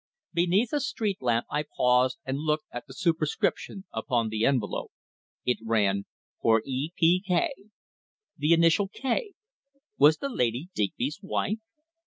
Beneath a street lamp I paused and looked at the superscription upon the envelope. It ran: "For E. P. K." The initial K! Was the lady Digby's wife?